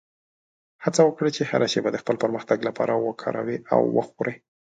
هڅه وکړه چې هره شېبه د خپل پرمختګ لپاره وکاروې او وخورې.